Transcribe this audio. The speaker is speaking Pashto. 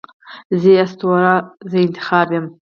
زه یې اسطوره، زه انتخاب یمه